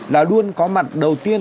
là luôn có mặt đầu tiên